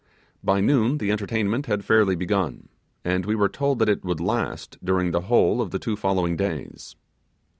By noon the entertainment had fairly begun and we were told that it would last during the whole of the two following days.